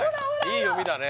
いい読みだね